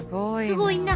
すごいな。